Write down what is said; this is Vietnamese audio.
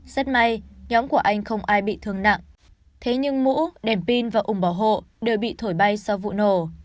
rất may nhóm của anh không ai bị thương nặng thế nhưng mũ đèn pin và ủng bảo hộ đều bị thổi bay sau vụ nổ